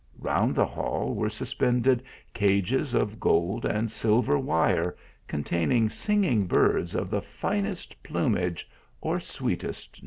Round the hall were suspended cages of gold and silver wire, containing singing birds of the finest nlumaffe or sweetest note.